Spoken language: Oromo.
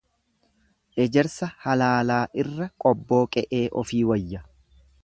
Ejersa halaalaa irra qobboo qe'ee ofii wayya.